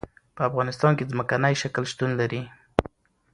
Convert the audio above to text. په افغانستان کې ځمکنی شکل شتون لري.